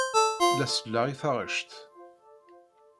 La selleɣ i taɣect.